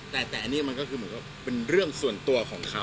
แต่อันนี้มันก็คือเหมือนกับเป็นเรื่องส่วนตัวของเขา